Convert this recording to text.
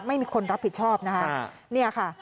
ไม่มีคนรับผิดชอบนะคะ